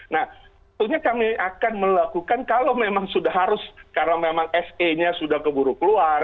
nah tentunya kami akan melakukan kalau memang sudah harus karena memang se nya sudah keburu keluar